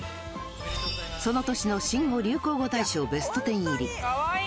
その年の新語・流行語大賞ベスト１０入り。